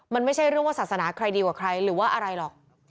มันไม่ใช่เรื่องว่าศาสนาใครดีกว่าใครหรือว่าอะไรหรอก